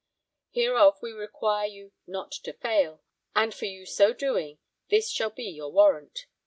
Hereof we require you not to fail. And for your so doing this shall be your warrant.